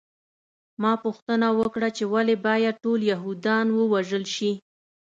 ما پوښتنه وکړه چې ولې باید ټول یهودان ووژل شي